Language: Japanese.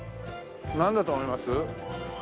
なんだと思います？